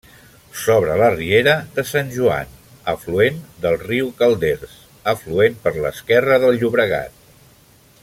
Sobre la riera de Sant Joan, afluent del riu Calders, afluent per l'esquerra del Llobregat.